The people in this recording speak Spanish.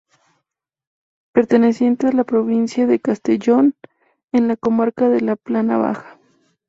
Perteneciente a la provincia de Castellón, en la comarca de la Plana Baja.